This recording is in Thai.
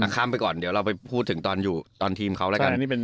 ข้ามไปก่อนเดี๋ยวเราไปพูดถึงตอนอยู่ตอนทีมเขาแล้วกัน